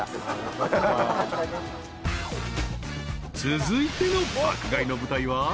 ［続いての爆買いの舞台は］